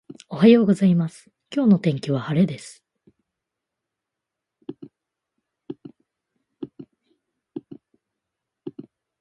おはようございます、今日の天気は晴れです。